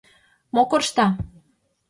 — Мо коршта?